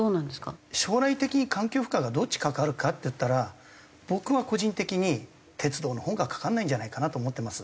将来的に環境負荷がどっちかかるかっていったら僕は個人的に鉄道のほうがかからないんじゃないかなと思ってます。